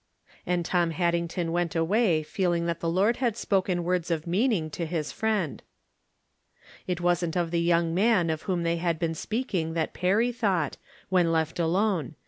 And Tom Haddington went away feeling that the Lord had spoken words of meaning to his friend. It wasn't of the young man of whom they had been speaking that Perry thought, when left alone.